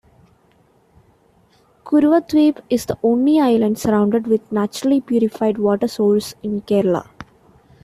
Kuruvadweep is the only island surrounded with naturally purified water source in Kerala.